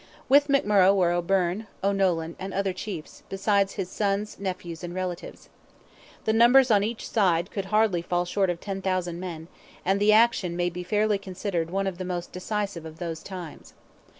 With McMurrogh were O'Byrne, O'Nolan, and other chiefs, besides his sons, nephews, and relatives. The numbers on each side could hardly fall short of ten thousand men, and the action may be fairly considered one of the most decisive of those times.